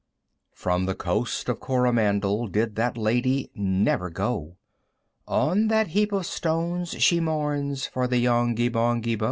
X. From the Coast of Coromandel Did that Lady never go; On that heap of stones she mourns For the Yonghy Bonghy Bò.